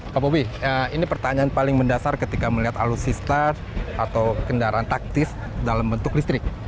pak bobi ini pertanyaan paling mendasar ketika melihat alutsista atau kendaraan taktis dalam bentuk listrik